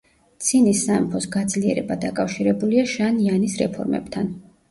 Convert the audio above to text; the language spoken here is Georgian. ცინის სამეფოს გაძლიერება დაკავშირებულია შან იანის რეფორმებთან.